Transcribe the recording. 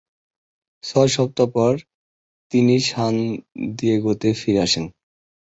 ছয় সপ্তাহ পর, তিনি সান দিয়েগোতে ফিরে আসেন।